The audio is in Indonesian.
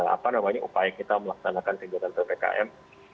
apa namanya upaya kita melaksanakan kegiatan ppkm